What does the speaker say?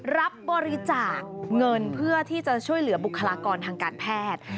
รับบริจาคเงินเพื่อที่จะช่วยเหลือบุคลากรทางการแพทย์